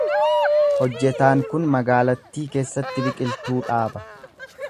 Hojjetaan kun magaalattii keessatti biqiltuu dhaaba.